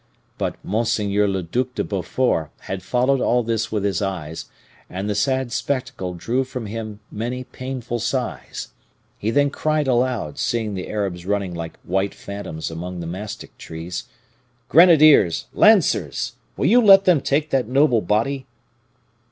But Monseigneur le Duc de Beaufort had followed all this with his eyes, and the sad spectacle drew from him many painful sighs. He then cried aloud, seeing the Arabs running like white phantoms among the mastic trees, 'Grenadiers! lancers! will you let them take that noble body?